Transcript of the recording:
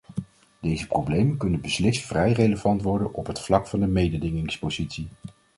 Deze problemen kunnen beslist vrij relevant worden op het vlak van de mededingingspositie.